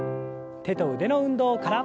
手と腕の運動から。